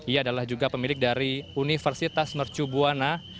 ia adalah juga pemilik dari universitas mercubuana